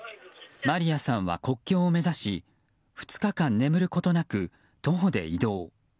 マリヤさんは国境を目指し２日間眠ることなく徒歩で移動。